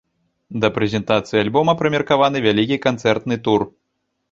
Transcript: Да прэзентацыі альбома прымеркаваны вялікі канцэртны тур.